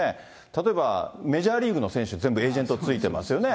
例えば、メジャーリーグの選手、全部エージェントついてますよね。